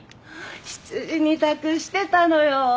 執事に託してたのよ。